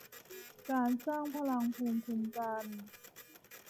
การสร้างพลังภูมิคุ้มกัน